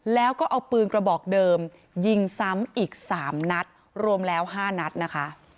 แล้วก็เอาปืนกระบอกเดิมยิงซ้ำอีก๓นัดรวมแล้ว๕นัดนะคะ